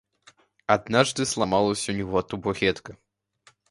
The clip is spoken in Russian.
Однажды сломалась у него табуретка.